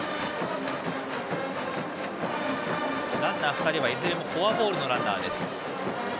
ランナー２人はいずれもフォアボールのランナー。